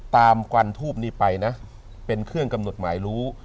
ควันทูปนี้ไปนะเป็นเครื่องกำหนดหมายรู้